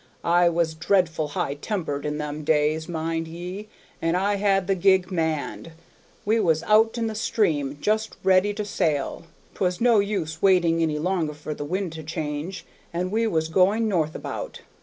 I was dreadful high tempered in them days, mind ye; and I had the gig manned. We was out in the stream, just ready to sail. 'T was no use waiting any longer for the wind to change, and we was going north about.